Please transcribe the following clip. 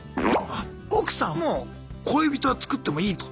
あ奥さんも「恋人は作ってもいい」と。